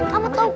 kamu tau gak